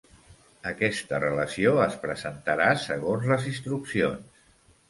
Aquesta relació es presentarà segons les instruccions.